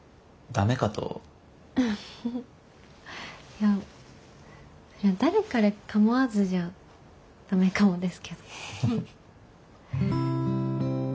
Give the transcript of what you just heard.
いや誰彼構わずじゃダメかもですけど。